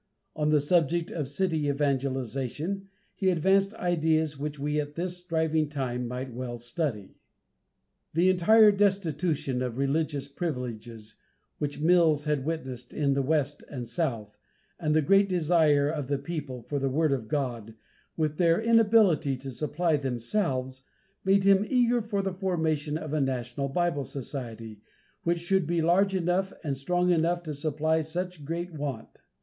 On the subject of city evangelization, he advanced ideas which we at this striving time might well study. The entire destitution of religious privileges which Mills had witnessed in the West and South, and the great desire of the people for the word of God, with their inability to supply themselves, made him eager for the formation of a National Bible Society, which should be large enough and strong enough to supply such great want.